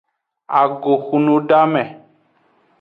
Ago hunudame.